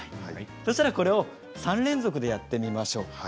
そうしたらこれを３連続でやってみましょう。